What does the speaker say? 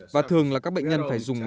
và thường là các bệnh nhân phải dùng